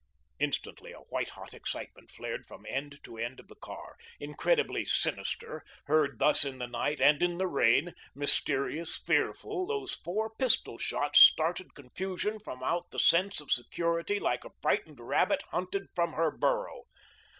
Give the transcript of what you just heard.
Instantly a white hot excitement flared from end to end of the car. Incredibly sinister, heard thus in the night, and in the rain, mysterious, fearful, those four pistol shots started confusion from out the sense of security like a frightened rabbit hunted from her burrow.